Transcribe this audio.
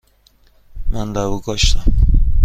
من لبو کاشتم.